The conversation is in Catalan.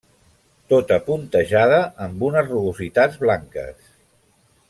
Tota puntejada amb unes rugositats blanques.